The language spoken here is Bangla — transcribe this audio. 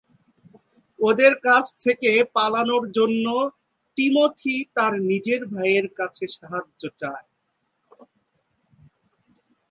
ওদের কাছ থেকে পালানোর জন্য টিমোথি তার নিজের ভাইয়ের কাছে সাহায্য চায়।